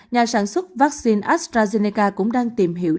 nhà sản xuất vaccine astrazeneca cũng đang tìm hiểu